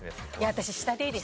私下でいいです。